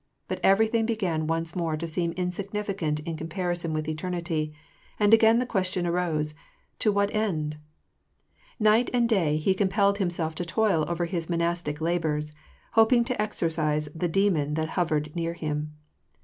But everything began once more to seem in significant in comparison with eternity, and again the question arose, " To what end ?" Night and day he compelled himself to toil over his Masonic labors, hoping to exorcise the demon that hovered near him.